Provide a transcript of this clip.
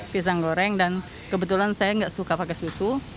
pisang goreng dan kebetulan saya nggak suka pakai susu